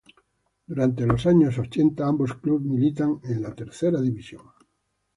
Durante los años ochenta ambos clubs militan en la tercera división.